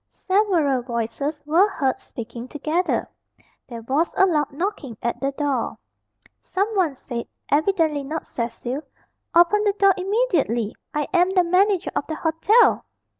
Several voices were heard speaking together. There was a loud knocking at the door. Someone said, evidently not Cecil, "Open the door immediately! I am the manager of the hotel!